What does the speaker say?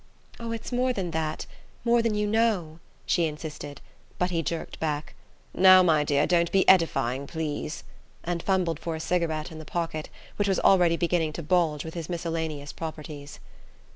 "Oh, it's more than that more than you know," she insisted; but he jerked back: "Now, my dear, don't be edifying, please," and fumbled for a cigarette in the pocket which was already beginning to bulge with his miscellaneous properties.